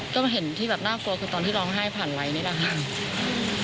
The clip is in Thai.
ก็เห็นที่แบบน่ากลัวคือตอนที่ร้องไห้ผ่านไลค์นี่แหละค่ะ